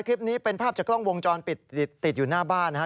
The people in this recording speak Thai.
คลิปนี้เป็นภาพจากกล้องวงจรปิดติดอยู่หน้าบ้านนะฮะ